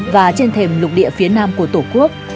và trên thềm lục địa thiên liên của tổ quốc